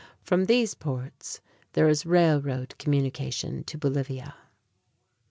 From these ports there is railroad communication to Bolivia.